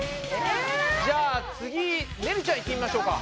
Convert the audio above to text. じゃあ次ねるちゃんいってみましょうか。